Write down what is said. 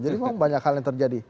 jadi memang banyak hal yang terjadi